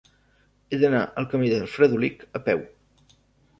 He d'anar al camí del Fredolic a peu.